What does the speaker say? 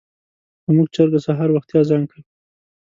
زموږ چرګه سهار وختي اذان کوي.